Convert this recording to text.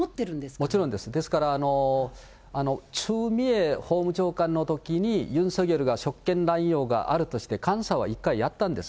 もちろんです、チュ・ミエ法務長官のときに、ユン・ソギョルが職権乱用があるとして監査は１回やったんです。